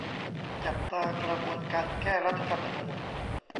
จับตากระบวนการ แก้รัฐธรรมนูญ